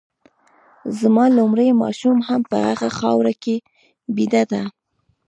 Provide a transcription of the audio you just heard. زما لومړی ماشوم هم په هغه خاوره کي بیده دی